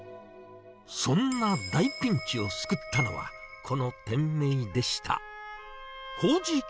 そんな大ピンチを救ったのは、この店名でした。